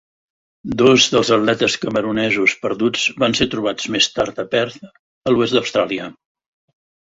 Dos dels atletes camerunesos perduts van ser trobats més tard a Perth, a l'oest Austràlia.